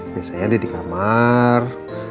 biasanya dia di kamar